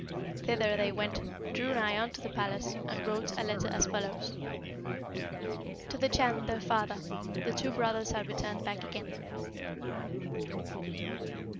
Thither they went, drew nigh unto the palace, and wrote a letter as follows: 'To the Chan their father, the two brothers are returned back again.'